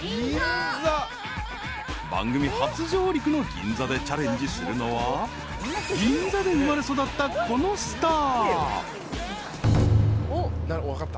［番組初上陸の銀座でチャレンジするのは銀座で生まれ育ったこのスター］